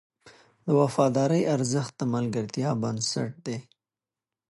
د وفادارۍ ارزښت د ملګرتیا بنسټ دی.